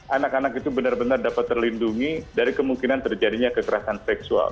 anak anak itu benar benar dapat terlindungi dari kemungkinan terjadinya kekerasan seksual